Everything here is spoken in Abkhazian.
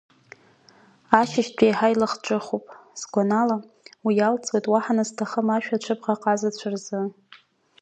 Ашьыжьтәи иаҳа илахҿыхуп, сгәанала, уи иалҵуеит уаҳа назҭахым ашәа аҽыбӷаҟазацәа рзы.